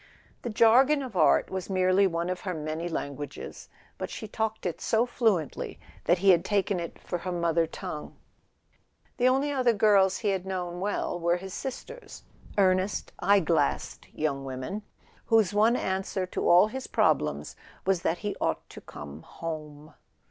The jargon of art was merely one of her many languages; but she talked it so flu¬ ently that he had taken it for her mother tongue. The only other girls he had known well were his sisters—earnest eye glassed young women, whose one answer to all his problems was that he ought to come home.